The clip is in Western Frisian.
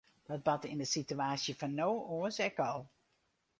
Dat bart yn de situaasje fan no oars ek al.